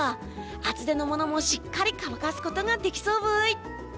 厚手のものもしっかり乾かすことができそうブイ！